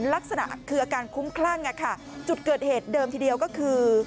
ลักษณะคืออาการคุ้มคลั่งจุดเกิดเหตุเดิมทีเดียวก็คือ